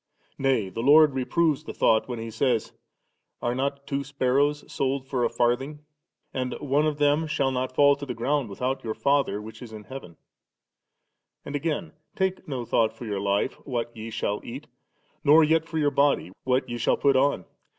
Nay the Lord reproves the thought, when He says, *Are not two sparrows sold for a farthing?' and ' one of them shall not Call on the ground without your Father which is in heaven.' And again, * Take no thought for your life, what ye shall eat, nor yet for your body, what ye shall put on.